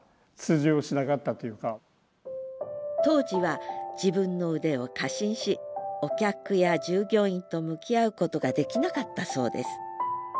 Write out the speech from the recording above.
当時は自分の腕を過信しお客や従業員と向き合うことができなかったそうです。